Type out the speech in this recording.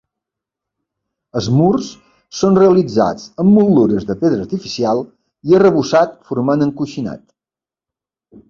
Els murs són realitzats amb motllures de pedra artificial i arrebossat formant encoixinat.